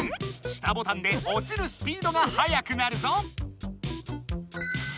下ボタンでおちるスピードがはやくなるぞ！